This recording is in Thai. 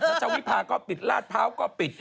ราชวิภาก็ปิดราชพร้าก็ปิด